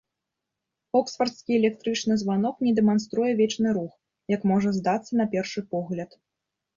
Оксфардскі электрычны званок не дэманструе вечны рух, як можа здацца на першы погляд.